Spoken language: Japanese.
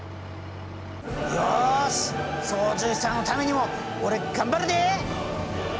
よし操縦士さんのためにも俺頑張るで！